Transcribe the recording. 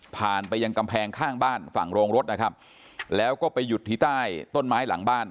ไปยังกำแพงข้างบ้านฝั่งโรงรถนะครับแล้วก็ไปหยุดที่ใต้ต้นไม้หลังบ้าน